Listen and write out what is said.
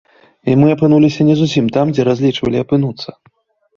І мы апынуліся не зусім там, дзе разлічвалі апынуцца.